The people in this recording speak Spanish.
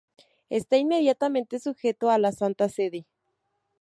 Está inmediatamente sujeto a la Santa Sede.